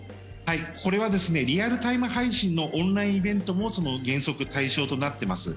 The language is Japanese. これはリアルタイム配信のオンラインイベントも原則対象となってます。